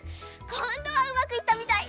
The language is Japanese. こんどはうまくいったみたい。